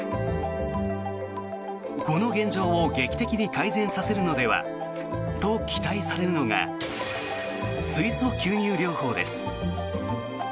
この現状を劇的に改善させるのではと期待されるのが水素吸入療法です。